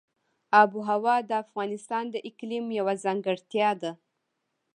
آب وهوا د افغانستان د اقلیم یوه ځانګړتیا ده.